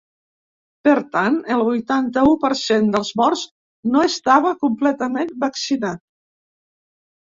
Per tant, el vuitanta-u per cent dels morts no estava completament vaccinat.